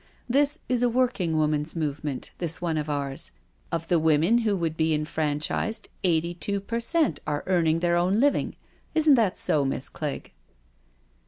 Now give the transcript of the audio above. This is a working women's movement ^this one of ours — of the women who would be enfranchised eighty two per cent are earning their own living— isn't that so. Miss Clegg?"